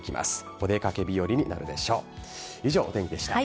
お出掛け日和になるでしょう。